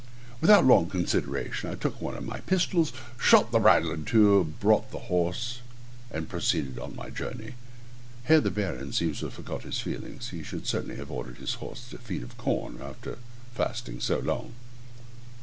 Without long consideration I took one of my pistols, shot the bridle in two, brought the horse, and proceeded on my journey. [Here the Baron seems to have forgot his feelings; he should certainly have ordered his horse a feed of corn, after fasting so long.